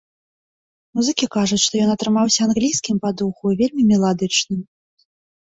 Музыкі кажуць, што ён атрымаўся англійскім па духу і вельмі меладычным.